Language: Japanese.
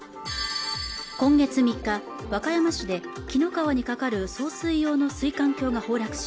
今月３日和歌山市で紀の川に架かる送水用の水管橋が崩落し